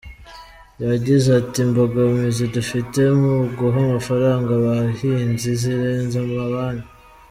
Yagize ati “Imbogamizi dufite mu guha amafaranga abahinzi zirenze amabanki.